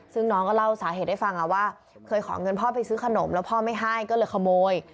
ซึ่งน้องก็เล่าสาเหตุให้ฟังว่าเคยขอเงินพ่อไปซื้อขนมแล้วพ่อไม่ให้ก็เลยขโมย